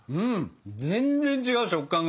全然違う食感が。